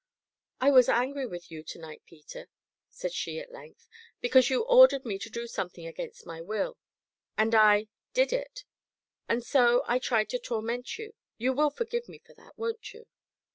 "I was angry with you to night, Peter," said she at length, "because you ordered me to do something against my will and I did it; and so, I tried to torment you you will forgive me for that, won't you?"